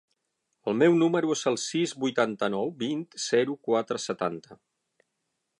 El meu número es el sis, vuitanta-nou, vint, zero, quatre, setanta.